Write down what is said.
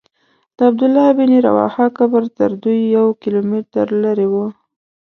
د عبدالله بن رواحه قبر تر دوی یو کیلومتر لرې و.